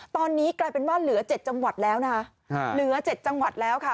ตอนนี้กลายเป็นว่าเหลือ๗จังหวัดแล้วนะคะเหลือ๗จังหวัดแล้วค่ะ